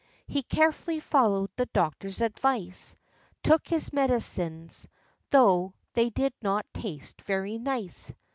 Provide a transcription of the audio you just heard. He carefully followed the doctor's advice, — Took his medicines, though they did not taste very nice.